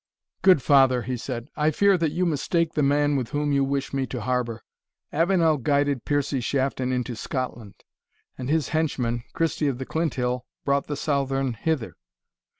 "Good father," he said, "I fear that you mistake the man with whom you wish me to harbour. Avenel guided Piercie Shafton into Scotland, and his henchman, Christie of the Clinthill, brought the Southron hither."